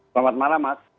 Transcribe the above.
selamat malam pak